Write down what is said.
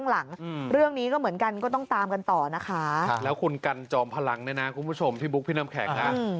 แล้วคุณกัลจอมพลังด้วยนะคุณผู้ชมพี่บุ๊คพี่น้ำแข็ง